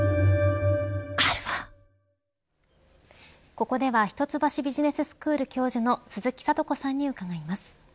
ここでは一橋ビジネススクール教授の鈴木智子さんに伺います。